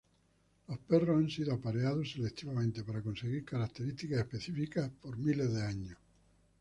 Los perros han sido apareados selectivamente para conseguir características específicas por miles de años.